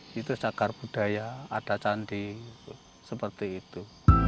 situs agar budaya ada candi seperti itu